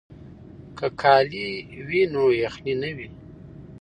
که کالي وي نو یخنۍ نه وي.